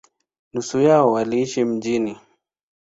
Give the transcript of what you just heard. Nusu yao waliishi mjini.